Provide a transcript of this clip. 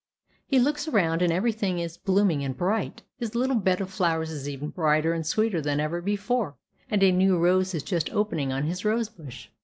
He looks around, and every thing is blooming and bright. His little bed of flowers is even brighter and sweeter than ever before, and a new rose is just opening on his rosebush.